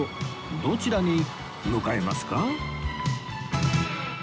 どちらに向かいますか？